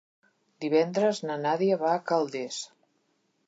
Divendres na Nàdia va a Calders.